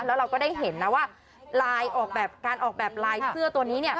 แล้วเราก็ได้เห็นนะว่าการออกแบบลายเสื้อตัวนี้